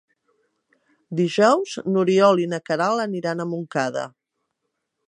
Dijous n'Oriol i na Queralt aniran a Montcada.